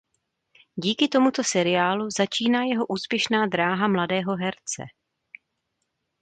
Díky tomuto seriálu začíná jeho úspěšná dráha mladého herce.